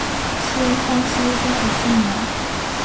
清康熙三十七年。